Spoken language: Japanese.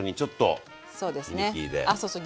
あそうそう。